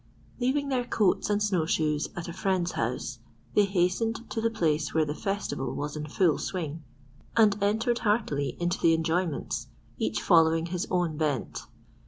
Leaving their coats and snow shoes at a friend's house, they hastened to the place where the festival was in full swing, and entered heartily into the enjoyments, each following his own bent.